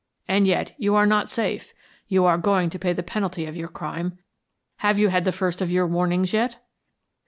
And yet you are not safe you are going to pay the penalty of your crime. Have you had the first of your warnings yet?"